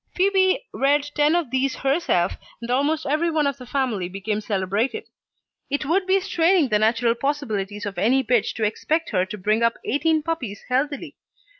Phoebe reared ten of these herself, and almost every one of the family became celebrated. It would be straining the natural possibilities of any bitch to expect her to bring up eighteen puppies healthily.